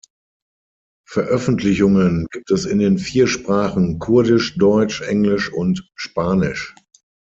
Veröffentlichungen gibt es in den vier Sprachen kurdisch, deutsch, englisch und spanisch.